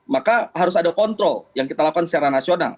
maka harus ada kontrol yang kita lakukan secara nasional